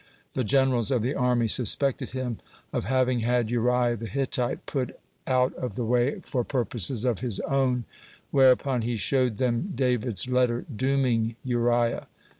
The generals of the army suspected him of having had Uriah the Hittite put out of the way for purposes of his own, whereupon he showed them David's letter dooming Uriah.